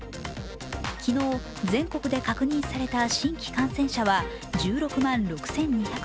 昨日、全国で確認された新規感染者は１６万６２０５人。